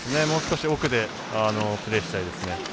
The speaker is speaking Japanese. もう少し奥でプレーしたいですね。